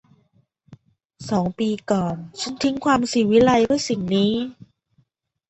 สองปีก่อน ฉันทิ้งความศิวิไลซ์เพื่อสิ่งนี้